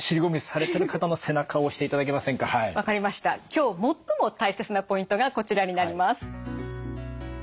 今日最も大切なポイントがこちらになります。